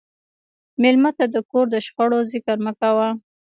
مېلمه ته د کور د شخړو ذکر مه کوه.